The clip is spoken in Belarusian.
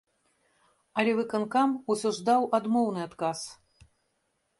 Але выканкам усё ж даў адмоўны адказ.